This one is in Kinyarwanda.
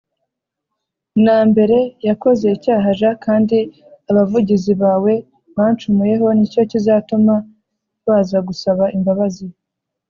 na mbere yakoze icyaha j kandi abavugizi bawe bancumuyeho Ni cyo kizatuma baza gusaba imbabazi